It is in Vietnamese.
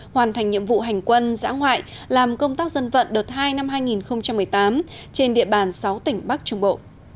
hoàn thành nhiệm vụ hành quân giã ngoại làm công tác dân vận đợt hai năm hai nghìn một mươi tám trên địa bàn sáu tỉnh bắc trung bộ